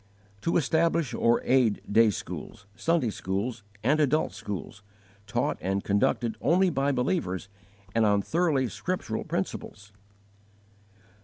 To establish or aid day schools, Sunday schools, and adult schools, taught and conducted only by believers and on thoroughly scriptural principles.